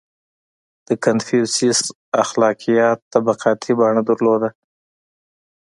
• د کنفوسیوس اخلاقیات طبقاتي بڼه درلوده.